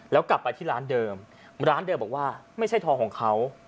แล้วกลับไปที่ร้านเดิมร้านเดิมบอกว่าไม่ใช่ทองของเขา